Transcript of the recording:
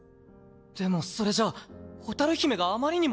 でもそれじゃあ蛍姫があまりにも。